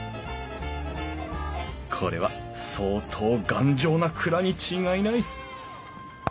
これは相当頑丈な蔵に違いない！